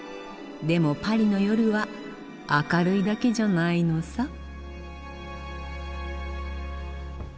でもパリの夜は明るいだけじゃないのさ。